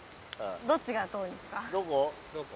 どっちが遠いですか？